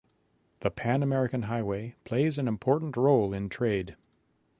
The Panamerican Highway plays an important role in trade.